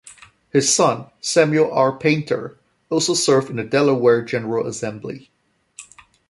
His son, Samuel R. Paynter, also served in the Delaware General Assembly.